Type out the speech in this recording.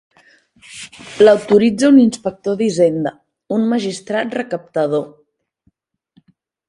L'autoritza un inspector d'hisenda, un magistrat recaptador.